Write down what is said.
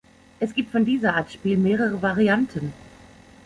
Es gibt von dieser Art Spiel mehrere Varianten.